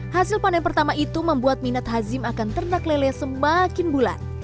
hasil panen pertama itu membuat minat hazim akan ternak lele semakin bulat